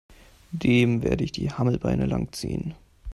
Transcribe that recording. Dem werde ich die Hammelbeine lang ziehen!